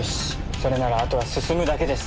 それならあとは進むだけです！